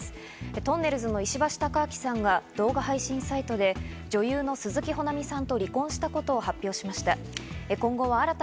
とんねるずの石橋貴明さんが動画配信サイトで女優の鈴木保奈美さんと離婚したことを発表しました。